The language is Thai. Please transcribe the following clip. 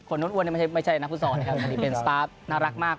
คนโน้นอ้วนไม่ใช่นักพุทธศาสตร์นะครับเป็นสตาร์ฟน่ารักมาก